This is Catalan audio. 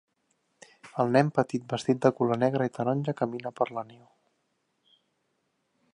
El nen petit vestit de color negre i taronja camina per la neu.